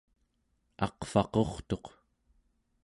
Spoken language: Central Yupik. aqvaqurtuq